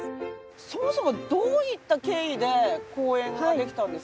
そもそもどういった経緯で公園ができたんですか？